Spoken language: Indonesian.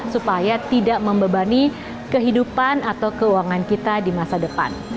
supaya tidak membebani kehidupan atau keuangan kita di masa depan